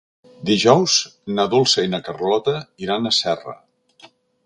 Dijous na Dolça i na Carlota iran a Serra.